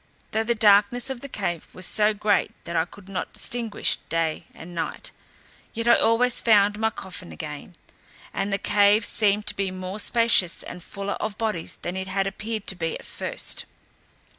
Though the darkness of the cave was so great that I could not distinguish day and night, yet I always found my coffin again, and the cave seemed to be more spacious and fuller of bodies than it had appeared to be at first.